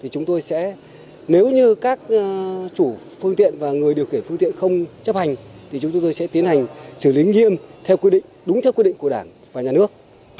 chúng tôi sẽ nếu như các chủ phương tiện và người điều khiển phương tiện không chấp hành thì chúng tôi sẽ tiến hành xử lý nghiêm theo quy định đúng theo quy định của đảng và nhà nước